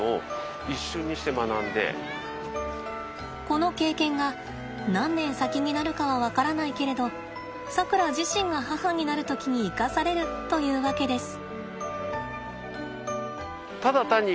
この経験が何年先になるかは分からないけれどさくら自身が母になる時に生かされるというわけです。